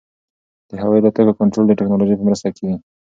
د هوايي الوتکو کنټرول د ټکنالوژۍ په مرسته کېږي.